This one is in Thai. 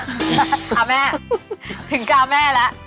เอาแม่ถึงกาวแม่แล้ว